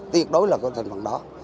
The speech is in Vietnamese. tiệt đối là có thành phần đó